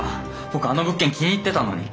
僕あの物件気に入ってたのに！